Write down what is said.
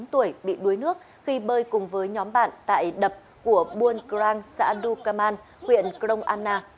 chín tuổi bị đuối nước khi bơi cùng với nhóm bạn tại đập của buôn crang xã đu cà man huyện kroana